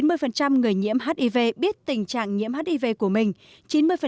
từ chín mươi chín mươi chín mươi chín mươi người nhiễm hiv biết tình trạng nhiễm hiv của mình